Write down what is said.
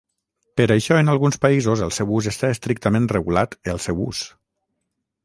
Per això en alguns països el seu ús està estrictament regulat el seu ús.